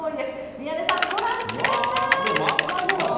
宮根さん、ご覧ください。